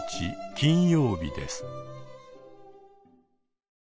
金曜日です。